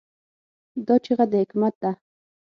دا چیغه د حکمت ده.